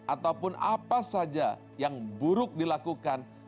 ataupun apa saja yang buruk dilakukan